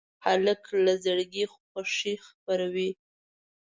هلک له زړګي خوښي خپروي.